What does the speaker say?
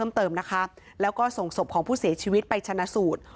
ก็ไม่รู้เลยว่าสาเหตุมันเกิดจากอะไรกันแน่